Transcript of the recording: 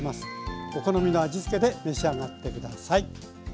お好みの味付けで召し上がって下さい。